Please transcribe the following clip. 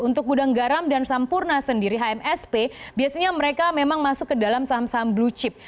untuk gudang garam dan sampurna sendiri hmsp biasanya mereka memang masuk ke dalam saham saham blue chip